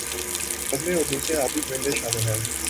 بگلے اور دوسرے آبی پرندے شامل ہیں